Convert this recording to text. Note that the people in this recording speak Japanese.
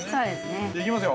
◆行きますよ。